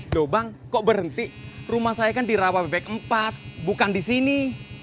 lho bang kok berhenti rumah saya kan di ward empat bukan disini